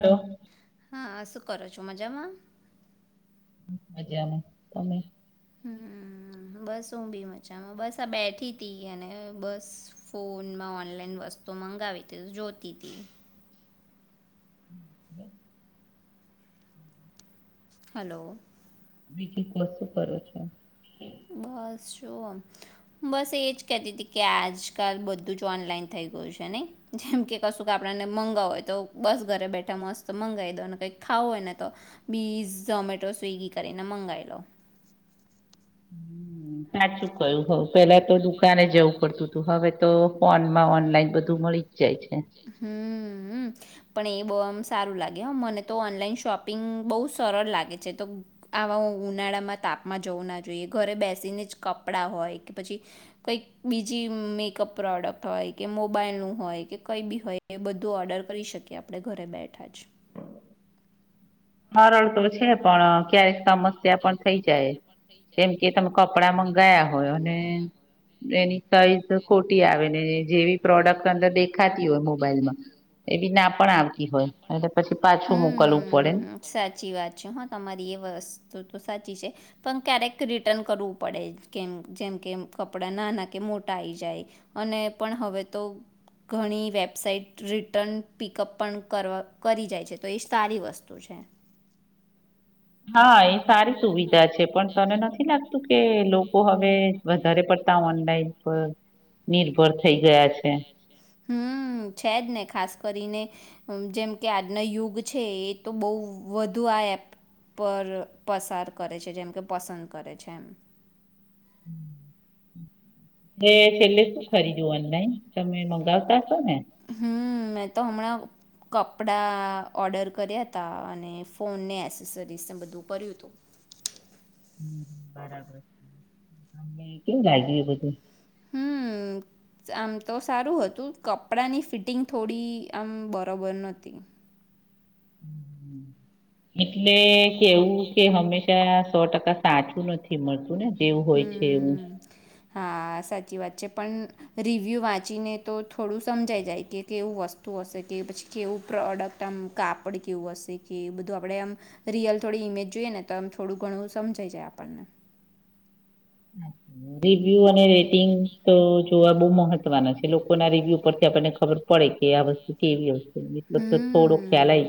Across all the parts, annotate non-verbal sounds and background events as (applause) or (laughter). હલોલો હા શું કરો છો મજામાં. મજામાં તમે. હ બસ હું બી મચામાં બસ આ બેઠી હતીી અને બસ ફોનમાં ઓનલાઈન વસ્તુ મંગાવી હતી જોતી હતી. (inaudible) હલો. બીજીું વસ્તુ કરો છો. બસ જોવો બસ એજ કેતી હતી કે આજકાલ બધું જ ઓનલાઈન થઈ ગયું છે ને જેમ કે કશું કે આપને મંગાવું હોય તો બસ ઘરે બેઠા મસ્ત મંગાવી દોને કઈક ખાવું હોય ને તો બીઝ-ઝોમેટો સ્વગી કરીને મંગાવી લો હમ સાચું કયું હવ પેલા તો દુકાને જવું પડતું હતું હવે તો ફોન માં ઓનલાઈન બધું મળી જ જાય છે. હમ હમ પણ એ બૌ સારું લાગે મને તો ઓનલાઈન શોપિંગ બહુ સરળ લાગે છે તો આવા ઉનાળામાં તાપમાં જવું ના જોઈએ ઘરે બેસીને જ કપડાં હોય કે પછી કંઈક બીજી મેકઅપ પ્રોડક્ટ હોય કે મોબાઈલનું હોય કે કંઈ બી હોય એ બધું ઓર્ડર કરી શકીએ આપણે ઘરે બૈઠા જ મારાળ તો પણ ક્યારેક સમસ્યા પણ થઈ જાય કેમ કે તમે ક કપડા મંગાયા હોય અને એની સાઈઝ ખોટી આવે ને જેવી પ્રોડક્ટ અંદર દે ખાતી હોય મોબાઈલમાં એ ના પણ આવતી હોય પછી પાછું મોકલવું પડે ને હમ્મ. સાચી વાત છે હા તમારી એ વસ્તુ તો સાચી છે પણ ક્યારેક રિટર્ન કરવું પડે કેમ જેમ કે કપડાં નાના કે મોટા આવી જાય અને પણ હવે તો ઘણી વેબસાઇટ રિટર્ન પિકઅપ પણ કરવા કરી જાય છે તો એ સારી વસ્તુ છે હા એ સારી સુવિધ છે પણ તને નથી લાગતું કે લોકો હવે વધારે પડતા ઓનલાઈન પર નિર્ભર થઈ ગયા છે? (inaudible) હમ છે જ ને ખાસ કરીને જેમ કે આજના યુગ છે એ તો બહુ વધુ આ એપ પર પસાર કરે છે જેમ કે પસંદ કરે છે એમ (inaudible) એ છેલ્લે શું ખરીદું ઓનલાઈન? તમે મંગાવતા હશો ને? હમ મેં તો હમણાં કપડાં ઓર્ડર કર્યા હતા અને ફોનને એસેસરીસ ને બધું ભર્યું હતું હ બરાબર અને કેમ (inaudible) બધું હમ આમ તો સારું હતું કપડાની ફિટિંગ થોડી આમ બરોબર નતી હમ એટલે કેવું કે હંમેશા સો ટકા પાછું નથી મળતું ને કેવું હોય છે એવું હમ હા સાચી વાત છે પણ રિવ્યુ વાંચીને તો થોડું સમજાઈ જાય કે કેવું વસ્તુ હશે કે પછી કેવું પ્રોડક્ટ આમ કાપડ કેવું હશે કે બધું આપણે આમ રિયલ થોડી ઈમેજ જોઈએ ને તો આમ થોડું ઘણું સમજાઈ જાય આપણને રિવ્યુ અને રેટિંગ તો જોવા બહુ મહત્વના છે લોકોના રિવ્યુ પરથી આપણને ખબર પડે કે આ વસ્તુ કેવી હોય હમ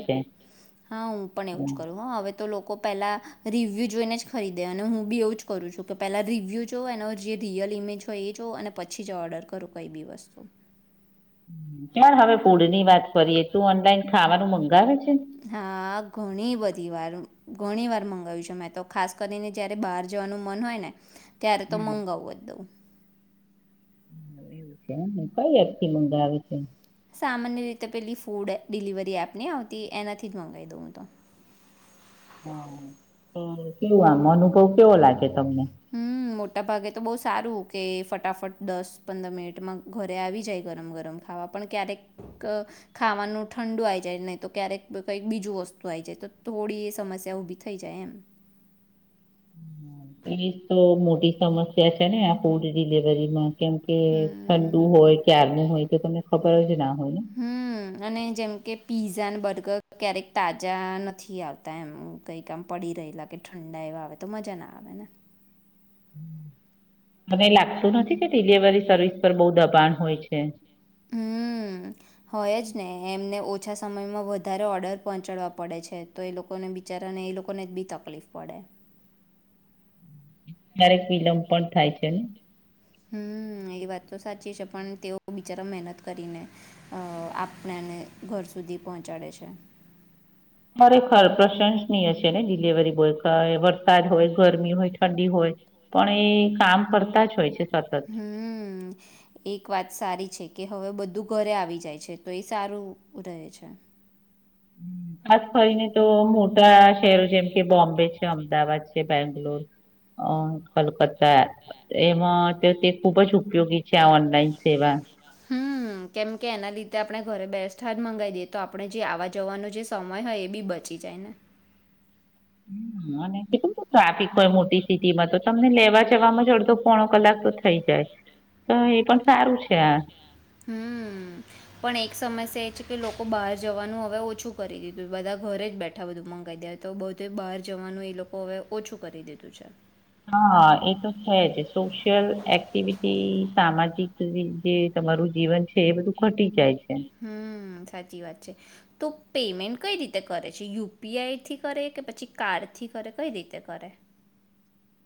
હા હું પણ એવું જ કરું હ હવે તો લોકો પેલા- રિવ્યૂ જોઈને જ ખરીદે અને હું બી એવું જ કરું છું કે પહેલાં રિવ્યૂ જોઉં એનો જે રિયલ ઇમેજ હોય એ જોઉં અને પછી જ ઓર્ડર કરું કઈ બી વસ્તુ ચાલ હવે ફૂડ ની વાત કરીએ તું ઓનલાઈન ખાવાનું મંગાવે છે હા ઘણી બધી વાર ઘણી વાર મંગાવ્યું છેું મેં તો ખાસ કરીને જયારે બહાર જવાનું મન હોય ને ત્યારે તો હમ. મંગાવું જ દઉં. એવું કઈ એથી મુંગા આવે છે. સામાન્ય રીતે પેલી ફૂડ ડિલિવરી એપની આવતી એનાથી જ મંગાવી દઉંું તો. હ કેવું આમ અનુભવ કેવો લાગે છે. હમ મોટા ભાગે તો બહુ સારું. કે ફટાફટ દસ પંદર મિનિટમાં ઘરે આવી જાય ગરમ ગરમ ખાવા પણ ક્યારેક ખાવાનું ઠંડુ આ જાય નહી તો ક્યારેક કંઈક બીજું વસ્તુ આ જાય તો થોડી એ સમસ્યા ઉઊભી થઈ જાય એમ. એ તો મોટી સમસ્યા છે ને આ ફૂડ ડિલવરીમાં. કેમ કે ઠંડુ હમ્મ, હોય ક્યારનુંું હોય તો તમે. ખબર હ છે ના (unintelligible) હમ અને જેમ કે. પીઝા અને બર્ગર ક્યારેક તાજા નથી આવતા એમ કઈક આમ પડી રહેલા કે ઠંડા એવા આવે તો મજા ના આવે ને. મને લાગતું નથી કે ડિલિવરી. સર્િસ પર બહુ. દબાણ હોય છે. હમ હોય જ ને. એમને ઓછા સમયમાં વધારે ઓર્ડર પહોંચાડવા પડે છે તો એ લોકોને બિચારાને એ લોકોને જ બી તકલીફ પડે. ક્યારેક વિલંબ પણ થાય છે ને. હમ એ વાત તો સાચી છે પણ તેઓ બિચારા મહેનત કરીને અ આપણાને ઘર સુધી પહોંચાડે છે. ખરેખર પ્રશંસનીય હશે ને ડિલિવરી બોય. હ એ તો. હવે વરસાદ હોય. ગરમી હોય ઠંડી હોય. પણ એ કામ કરતા જ હોય છે. સતત હમ એક વાત સારી છે. કે હવે બધું ઘરે આવી જાય છે તો એ સારું રહે છે. હમ (unintelligible) ખાસ કરીને તો મોટા શહેરો જેમ કે બોમ્બે છે અમદાવાદ છે બેંગ. અ કલકત્તા એમાં તે ખુબ જ ઉપયોગી છે આ ઓનલાઈન સેવા. હમ કેમકે એના લીધે આપણે ઘરે બેસ જ મંગાવી દઈએ તો આપણે જે આવા જવાનો જે સમય હોય એ બી બચી જાય ને. અને શટુંું આપી. મોટી સ્થિતિમાં તો તમને લેવા જવાવામાં. અડધો પોણો કલાક તો થઈ જાય તો એ પણ સારું છે આ. હમ પણ એક સમસ્યા એ છે કે લોકો બહાર જવાનું હવે ઓછું કરી દીધું બધા ઘરે જ બેઠા બધું મંગાવ દે તો બધું બહાર જવાનું એ લોકો હવે ઓછું કરી દીધું છે. હા એ તો છે જ સોશિયલ એક્ટિવિટી સામાજિક જે તમારું જીવન છે એ બધું ઘટી જાય છે. હમ. સાચી વાત છે તો પેમેન્ટ કઈ રીતે કરે છે યુપીઆઈથી કરે કે પછી કાર્ડ થી કરે કઈ રીતે કરે.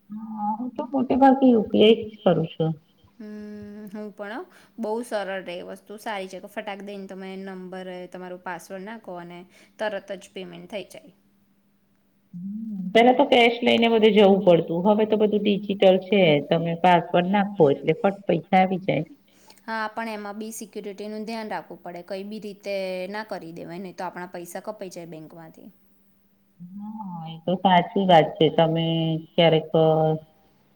હા તો. ભાગે યુપીઆઈ થી જ કરું છું. હમ હું પણણ. બહુ સરળ ર એ વસ્તુ સારી છે કે ફટાક દઈને તમે નંબર તમારું પાસવર્ડ નાખો અને તરત જ પેમેન્ટ થઈ જાય. પેલા તો કેશ લઈને બધે જવું પડતું હવે તો બધું િજિટલ છે તમે પાસવડ નાખો એટલે ફટ પૈસા આવી જાય હા આપણે એમાં બી સિક્યુરિટીનું ધ્યાન રાખવું પડે કઈ બી રીતે ના કરી દેવાય નહી તો આપણા પૈસા કપાઈ જાય બેંકમાંથી હા એ તો સાચી વાત છે તમે ક્યારેક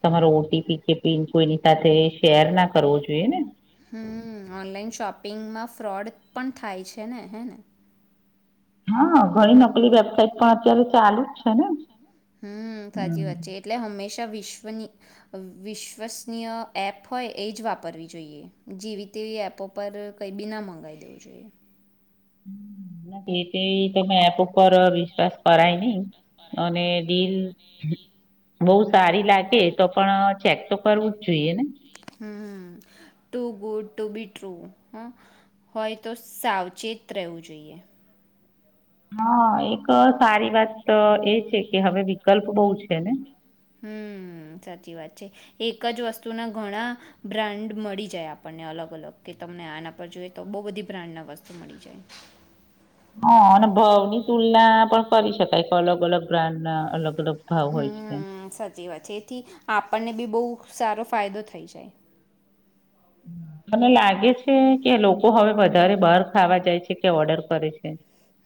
તમારો ઓટીપી કે પિન કોઈની સાથે શેર ના કરવો જોઈએ ને હમ ઓનલાઈન શોપિંગમાં ફ્રોડ પણ થાય છે ને હે ને હા ઘણી નકલી વેબસાઇટ પણ અત્યારે ચાલુ જ છે ને. હમ સાચી હમ વાત છે એટલે હમેશા વિશ્વસનીય એપ હોય એ જ વાપરવી જોઈએ જેવી તેવી એપો પર કંઈ બી ના મંગાવી દેવું જોઈએ તે તો મે ર વિશ્વાસ કરાય નહી અને ડીલ બહુ સારી લાગે તો પણ ચેક તો કરવું જ જોઈએ ને હ too good to be true હ હોય તો સાવચેત રહેવું જોઈએ હા એક સારી વાત એ છે કે હવે વિકલ્પ બહુ છે ને હમ સાચી વાત છે એક જ વસ્તુના ઘણા બ્રાન્ડ મળી જાય આપણને અલગ અલગ કે તમને આના પર જોઈએ તો બહુ બધી બ્રાન્ડના વસ્તુ મળી જાય હા અને ભાવ ની તુલના પણ કરી શકાય અલગ અલગ બ્રાન્ડ ના અલગ અલગ ભાવ હોય છે હમ સાચી વાત છે એથી આપણને બી બહુ ખૂબ સારો ફાયદો થઈ જાય મને લાગે છે કે લોકો હવે વધારે બહાર ખાવા જાય છે કે ઓર્ડર કરે છે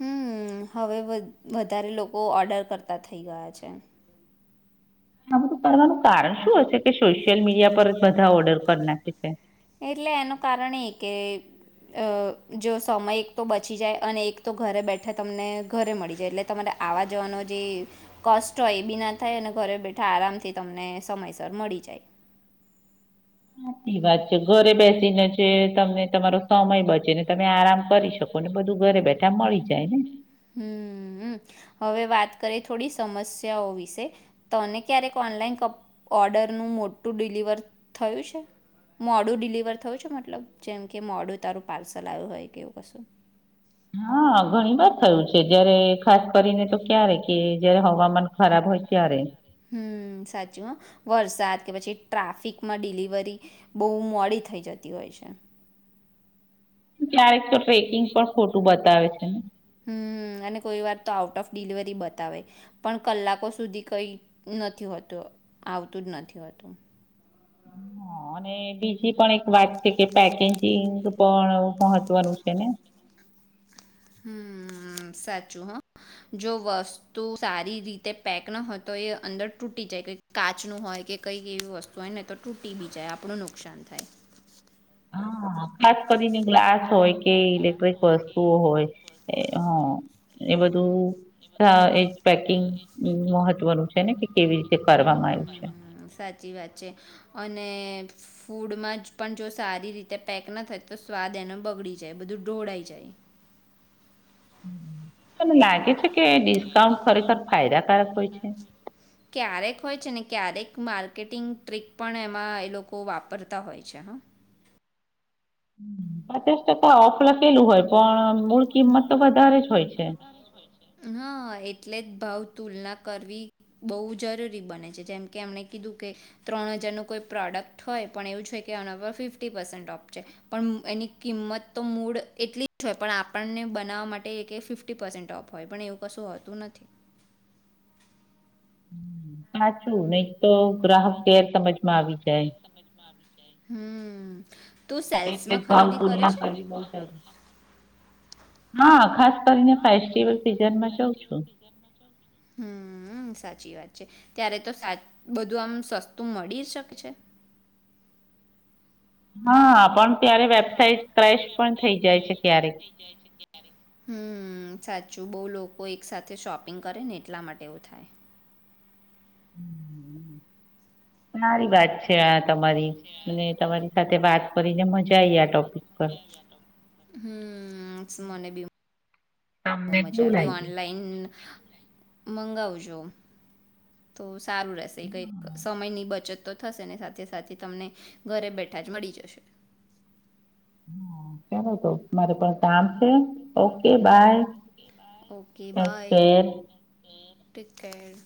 હમ હવે વધારે લોકો ઓર્ડર કરતા થઇ ગયા છે આ બધું કરવાનું કારણ શું હશે કે સોશિયલ મીડિયા પર જ બધા ઓર્ડર કરના શખ છે એટલે એનું કારણ એ કે જો સમય એક તો બચી જાય અને એક તો ઘરે બેઠા તમને ઘરે મળી જાય એટલે તમારે આવા જવાનો જે કષ્ટ હોય એ બી ના થાય અને ઘરે બેઠા આરામથી તમને સમયસર મળી જાય સાચી વાત છે ઘરે બેસીને જે તમને તમારો સમય બચે ને તમે આરામ કરી શકો ને બધું ઘરે બેસી એ મળી જાય ને હમ હવે વાત કરીએ થોડી સમસ્યાઓ વિશે તને ક્યારેક ઓનલાઈન ક ઓર્ડરનું મોટું ડિલિવર થયું છે મોડું ડિલિવર થયું છે મતલબ જેમ કે મોડું તારું પાર્સલ આવ્યું હોય કેવું કશું હા ઘણી વાર થયું છે જયારે ખાસ કરીને તો ક્યારે કે જયારે હવામાન ખરાબ હોય ત્યારે હમ સાચું હ વરસાદ કે પછી ટ્રાફિકમાં ડિલિવરી બહુ મોડી થઈ જતી હોય છે (unintelligible) ટ્રેકિંગ પણ ખોટું બતાવે છે (unintelligible) હમ અને કોઈ વાર તો આઉટ ઓફ ડિલિવરી બતાવે પણ કલાકો સુધી કઈ નથી હોતું આવતું જ નથી હોતું અને બીજી પણ એક વાચ્ય કે પેકેજિંગ પણ મહત્વનું છે ને હમ સાચું હ જો વસ્તુ સારી રીતે પેક ના હોય તો એ અંદર તૂટી જાય કાચ નું હોય કે કંઈક એવી વસ્તુ હોય ને તો તૂટી ભી જાય આપણું નુકસાન થાય હ ખાસ કરીને ગ્લાસ હોય કે ઇલેક્ટ્રિક વસ્તુઓ હોય હ એ બધું એજ અ, પેકિંગ મહત્વનું છે ને કેવી રીતે કરવામાં આવ્યું છે સાચી વાત છે અને અને ફૂડમાં જ પણ જો સારી રીતે પેક ના થાય તો સ્વાદ એને બગડી જાય બધું ઢોળાઈ જાય તને લાગે છે કે ડિસ્કાઉંન્ટ ખરેખર ફાયદાકારક હોય છે એમ ક્યારેક હોય છે ને ક્યારેક માર્કેટિંગ ટ્રીક પણ એમાં એ લોકો વાપરતા હોય છે હા પચાસ ટકા ઓફ આપેલું હોય પણ મૂળ કિંમત તો વધારે જ હોય છે હા એટલે ભાવ તુલના કરવી બહ જરૂરી બને છે જેમ કે એમણે કીધું કે ત્રણ હજારનું કોઈ પ્રોડક્ટ હોય પણ એવું કે એના પર ફિફ્ટી પસેન્ટ ઓ છે પણ એની કિંમત તો મૂ એટ હોય પણ આપણને બનાવવા માટે એક ફિફ્ટી પર્સેન્ટ ઓફ હોય પણ એવું કશું હોતું નથી સાચું નહી તો ગ્રાહક કે હમ તું એટલે સેલ્સમાં જ ભાવ ખરીદી કરે તુલના છે કરવી બહુ જરૂરી છે. હા ખાસ કરીને ફેસ્ટિવલ સિઝનમાં જઉં છું હમ સાચી વાત ત્યારે તો સા બધું આમ સસ્તું મળી શકે છે હા આપણ ત્યારે વેબસાઇટ ક્રેશ પણ થઈ જાય છે ક્યારેક હમ સાચું બહુ લોકો એક સાથે શોપિંગ કરે ને એટલા માટે એવું થાય સારી વાત છે આ તમારી અને તમારી સાથે વાત કરીને મજા આ આવી આ ટોપિક પર હમ મને બ બ તમને કેવું મજા બ લાગ્યું ઓનલાઈન મંગાવજો તો સારું રહેશે કંઈક સમયની બચત થશે સાથે સાથે તમને ઘરે બેઠા જ મળી જશે ચાલો તો મારે પણ કામ છે okay bye okay take bye care ટિકેડ